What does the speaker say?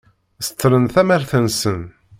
Seṭṭlen tamart-nsen.